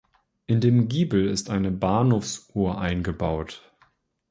In dem Giebel ist eine Bahnhofsuhr eingebaut.